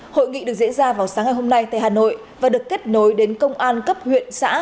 hội nghị được diễn ra vào sáng ngày hôm nay tại hà nội và được kết nối đến công an cấp huyện xã